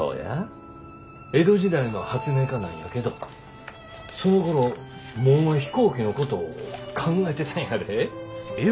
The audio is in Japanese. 江戸時代の発明家なんやけどそのころもう飛行機のこと考えてたんやで。